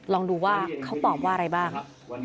ลองดูว่าเขาตอบว่าอะไรบ้าง